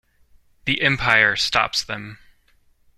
The Empire stops them.